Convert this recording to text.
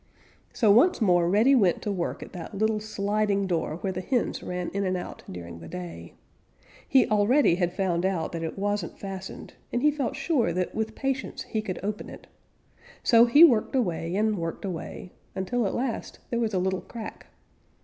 So once more Reddy went to work at that little sliding door where the hens ran in and out during the day. He already had found out that it wasn't fastened, and he felt sure that with patience he could open it. So he worked away and worked away, until at last there was a little crack.